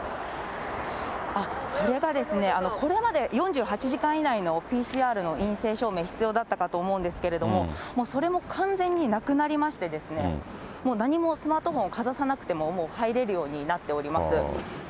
それがですね、これまで４８時間以内のＰＣＲの陰性証明、必要だったかと思うんですけれども、もうそれも完全になくなりましてですね、何もスマートフォンをかざさなくてももう、入れるようになっております。